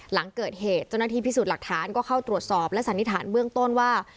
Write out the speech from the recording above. หลังเกิดเหตุเจ้าหน้าที่พิสูจน์หลักฐานก็เข้าตรวจสอบและสันนิษฐานเบื้องต้นว่า